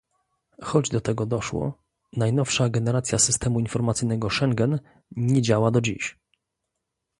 Choć do tego doszło, najnowsza generacja Systemu Informacyjnego Schengen nie działa do dziś